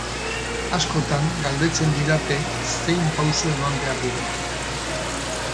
Askotan galdetzen didate zein pauso eman behar diren.